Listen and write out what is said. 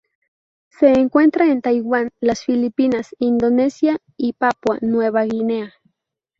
Se encuentra en Taiwán, las Filipinas, Indonesia y Papúa Nueva Guinea.